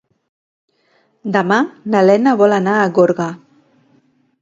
Demà na Lena vol anar a Gorga.